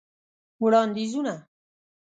وړاندیزونه :